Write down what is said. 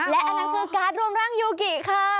และอันนั้นคือการ์ดรวมร่างยูกิค่ะ